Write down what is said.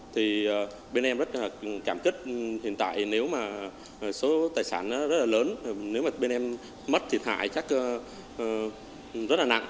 thì bên em rất là cảm kích hiện tại nếu mà số tài sản rất là lớn nếu mà bên em mất thiệt hại chắc rất là nặng